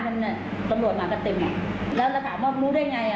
ตรงนี้ตำรวจมาก็เต็มอ่ะแล้วเราถามว่ารู้ได้ไงอ่ะ